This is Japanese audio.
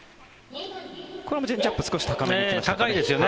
これもチェンジアップ少し高めに行きましたかね。